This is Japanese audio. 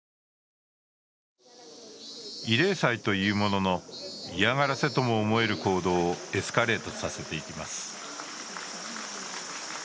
慰霊祭というものの、嫌がらせとも思える行動をエスカレートさせていきます。